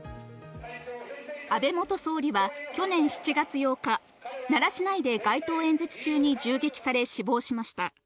安倍元総理は去年７月８日、奈良市内で街頭演説中に銃撃され死亡しました。